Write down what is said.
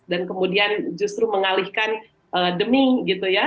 dan kemudian justru mengalihkan demi gitu ya